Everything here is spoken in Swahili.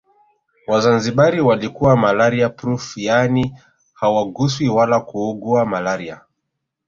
Wazanzibari walikuwa malaria proof yaani hawaguswi wala kuugua malaria